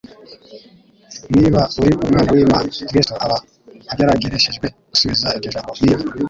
«Niba uri Umwana w'Imana.» Kristo aba ageragereshejwe gusubiza iryo jambo «niba».